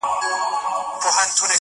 چي بيا ترې ځان را خلاصولای نسم،